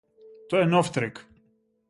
Тоа е нов трик.